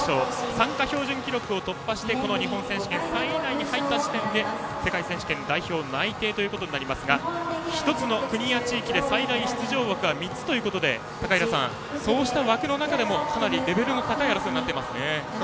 参加標準記録を突破して日本選手権で３位以内に入ると世界選手権代表内定となりますが１つの国や地域で最大出場枠が３つということで高平さん、そうした枠の中でもかなりレベルの高い争いになっていますよね。